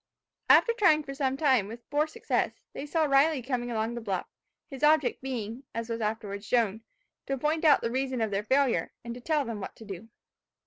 After trying for some time, with poor success, they saw Riley coming along the bluff; his object being, as was afterwards shown, to point out the reason of their failure, and to tell them what to do.